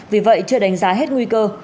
vì vậy chưa đánh giá hết nguy cơ